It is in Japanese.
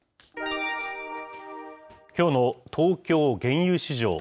きょうの東京原油市場。